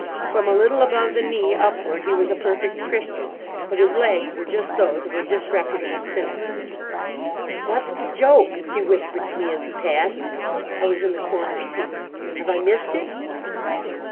From a little above the knee upward he was a perfect Christian; but his legs were just those of a disreputable sinner. "'What's the joke?' he whispered to me as he passed—I was in the corner seat. 'Have I missed it?